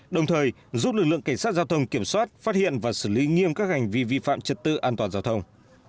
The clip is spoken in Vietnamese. đồng thời giúp lực lượng cảnh sát giao thông kiểm soát phát hiện và xử lý nghiêm các hành vi vi phạm trật tự an toàn giao thông